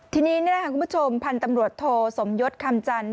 ทีนี้นี่แหละคุณผู้ชมพันธ์ตำรวจโทสมยศคำจันท